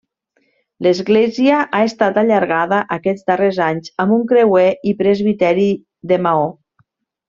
L'església ha estat allargada aquests darrers anys amb un creuer i presbiteri de maó.